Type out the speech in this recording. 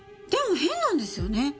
でも変なんですよね。